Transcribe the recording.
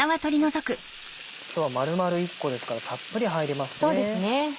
今日は丸々１個ですからたっぷり入りますね。